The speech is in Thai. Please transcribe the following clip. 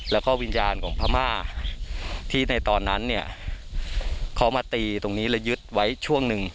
แล้วก็วิญญาณของพม่าที่ในตอนนั้นเนี่ยเขามาตีตรงนี้แล้วยึดไว้ช่วงหนึ่ง